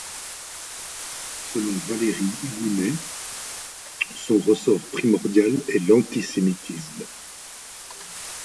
Selon Valérie Igounet, son ressort primordial est l'antisémitisme.